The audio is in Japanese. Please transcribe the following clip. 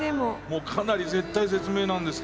かなり絶体絶命なんですけど。